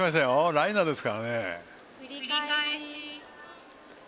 ライナーですからね。